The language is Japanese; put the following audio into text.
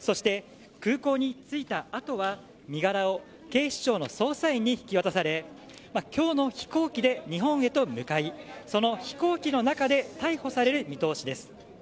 そして、空港に着いた後は身柄を警視庁の捜査員に引き渡され今日の飛行機で日本へと向かいその飛行機の中で逮捕される見通しです。